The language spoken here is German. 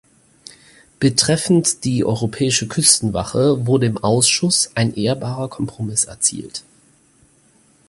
Betreffend die europäische Küstenwache wurde im Ausschuss ein ehrbarer Kompromiss erzielt.